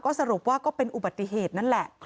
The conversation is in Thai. สรุปว่าก็เป็นอุบัติเหตุนั่นแหละ